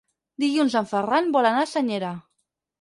Dilluns en Ferran vol anar a Senyera.